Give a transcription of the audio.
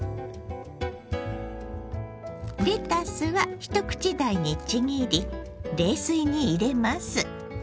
レタスは一口大にちぎり冷水に入れます。